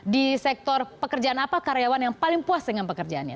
di sektor pekerjaan apa karyawan yang paling puas dengan pekerjaannya